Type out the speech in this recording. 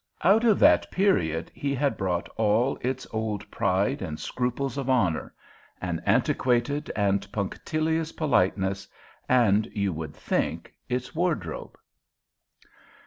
Out of that period he had brought all its old pride and scruples of honor, an antiquated and punctilious politeness, and (you would think) its wardrobe.